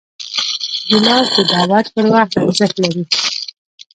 ګیلاس د دعوت پر وخت ارزښت لري.